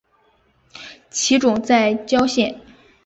其冢在谯县。